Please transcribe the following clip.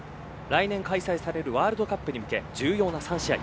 来年、開催されるワールドカップに向け重要な３試合。